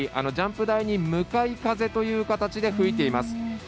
ジャンプ台に向かい風という形で吹いています。